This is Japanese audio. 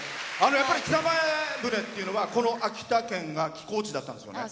やっぱり北前船っていうのはこの秋田県が寄港地だったんですね。